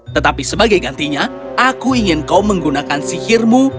tetapi sebagai gantinya aku ingin kau menggunakan sihirmu